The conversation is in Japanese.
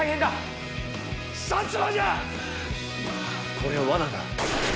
これは罠だ。